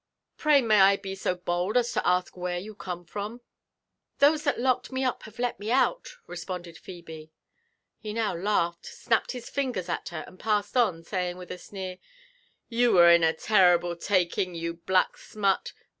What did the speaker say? Pray may I be so bold as to ask where you conie from?" ''Those that locked me up, have let me out," responded Phebe. He now laughed, snapped his fingers at her, and passed on, saying with a sneer, "You were in a terrible taking, yo.u black smut